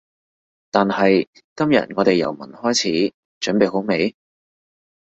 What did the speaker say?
但係今日我哋由聞開始，準備好未？